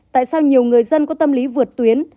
tại sao nhiều người dân có tâm lý vượt tuyến